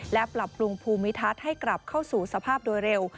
และปรับปรุงภูมิทัศน์ให้กลับเข้าสู่สภาพโดยเร็ว